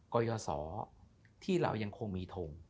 กรยศที่เรายังคงมีทง